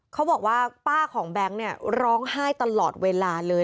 เขาบอกว่าป้าของแบงค์เนี่ยร้องไห้ตลอดเวลาเลย